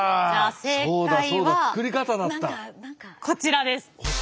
こちらです。